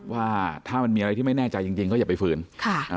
ว่าถ้ามันมีอะไรที่ไม่แน่ใจจริงจริงก็อย่าไปฝืนค่ะอ่า